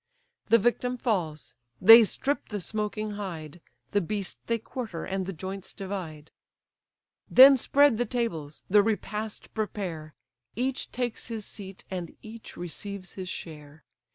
The victim falls; they strip the smoking hide, The beast they quarter, and the joints divide; Then spread the tables, the repast prepare, Each takes his seat, and each receives his share.